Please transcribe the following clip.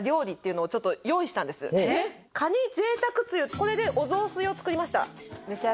これでお雑炊を作りました召し上がれ。